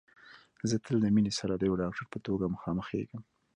زه تل د مينې سره د يوه ډاکټر په توګه مخامخېږم